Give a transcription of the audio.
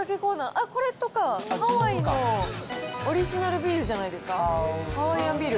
あっ、これとかハワイのオリジナルビールじゃないですか、ハワイアンビール。